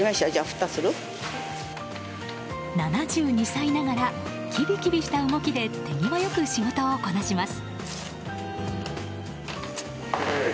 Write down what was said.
７２歳ながらキビキビした動きで手際良く仕事をこなします。